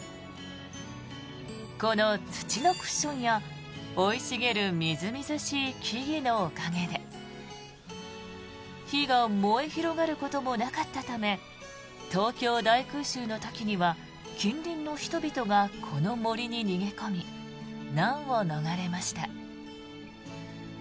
この土のクッションや、生い茂るみずみずしい木々のおかげで火が燃え広がることもなかったため東京大空襲の時には近隣の人々がこの杜に逃げ込み難を逃れました。